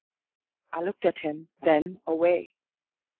I looked at him, then away.